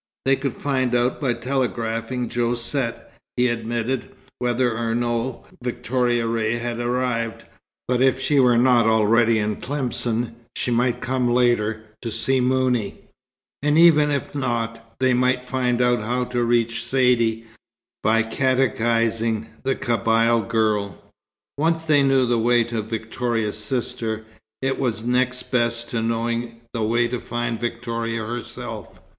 They could find out by telegraphing Josette, he admitted, whether or no Victoria Ray had arrived, but if she were not already in Tlemcen, she might come later, to see Mouni. And even if not, they might find out how to reach Saidee, by catechizing the Kabyle girl. Once they knew the way to Victoria's sister, it was next best to knowing the way to find Victoria herself.